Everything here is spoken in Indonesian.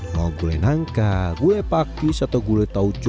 mau gulai nangka gulai pakis atau gulai tauco